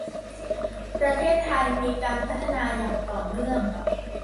ประเทศไทยมีการพัฒนาอย่างต่อเนื่อง